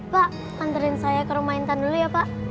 pak panterin saya ke rumah intan dulu ya pak